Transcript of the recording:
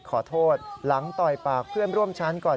ขอโทษหลังต่อยปากเพื่อนร่วมชั้นก่อน